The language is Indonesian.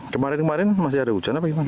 kemarin kemarin masih ada hujan apa gimana